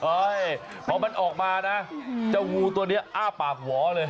เอ้ยพอมันออกมานะเจ้างูตัวนี้อ้าปากหวอเลย